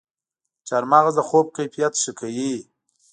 چارمغز د خوب کیفیت ښه کوي.